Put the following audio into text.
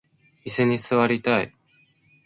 いすに座りたい